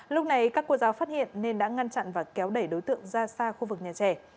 lúc này các cô giáo phát hiện nên đã ngăn chặn và kéo đẩy đối tượng ra xa khu vực nhà trẻ